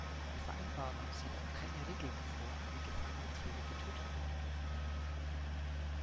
Die Vereinbarung sieht auch keine Regelung vor, wie gefangene Tiere getötet werden dürfen.